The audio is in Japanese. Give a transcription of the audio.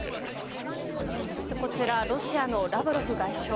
こちらロシアのラブロフ外相。